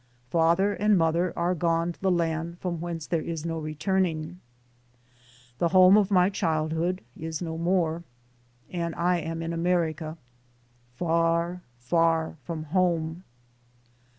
Father and mother are gone to the land from whence there is no returning; the home of my childhood is no more, and I am in America, far, far from home.